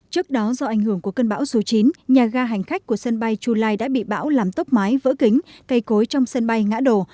trước đó do ảnh hưởng của cơn bão số chín nhà ga hành khách của sân bay chu lai đã bị bão làm tốc mái vỡ kính cây cối trong sân bay ngã đổ